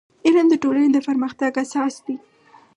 • علم د ټولنې د پرمختګ اساس دی.